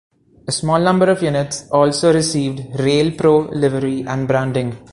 A small number of units also received "RailPro" livery and branding.